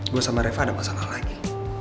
gue sama reva ada masalah lagi